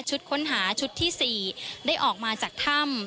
ค้นหาชุดที่๔ได้ออกมาจากถ้ำ